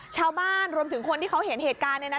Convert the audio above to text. ชาวบ้านรวมถึงคนที่เขาเห็นเหตุการณ์เนี่ยนะ